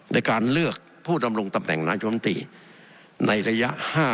ในการเลือกผู้ดำรงตำแหน่งนายมตรีในระยะ๕